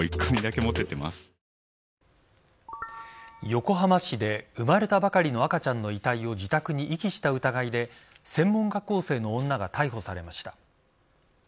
横浜市で生まれたばかりの赤ちゃんの遺体を自宅に遺棄した疑いで専門学校生の女が逮捕されました。